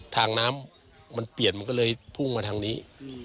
ทางน้ำมันเปลี่ยนมันก็เลยพุ่งมาทางนี้